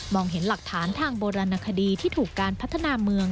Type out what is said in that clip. เห็นหลักฐานทางโบราณคดีที่ถูกการพัฒนาเมือง